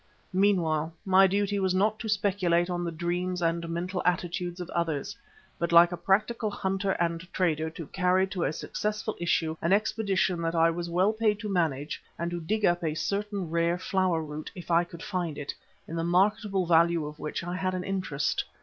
Meanwhile my duty was not to speculate on the dreams and mental attitudes of others, but like a practical hunter and trader, to carry to a successful issue an expedition that I was well paid to manage, and to dig up a certain rare flower root, if I could find it, in the marketable value of which I had an interest.